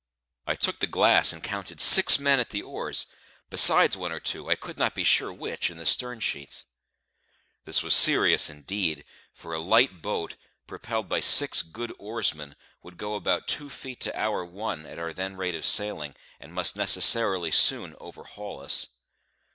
I took the glass, and counted six men at the oars, besides one or two (I could not be sure which) in the stern sheets. This was serious indeed; for a light boat, propelled by six good oarsmen, would go about two feet to our one at our then rate of sailing, and must necessarily soon overhaul us.